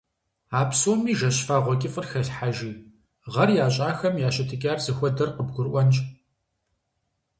А псоми жэщ фагъуэ кӀыфӀыр хэлъхьэжи, гъэр ящӀахэм я щытыкӀар зыхуэдэр къыбгурыӀуэнщ.